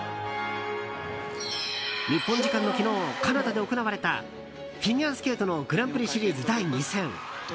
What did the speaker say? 日本時間の昨日カナダで行われたフィギュアスケートのグランプリシリーズ第２戦。